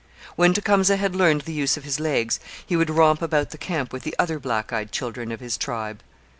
When Tecumseh had learned the use of his legs, he would romp about the camp with the other black eyed children of his tribe.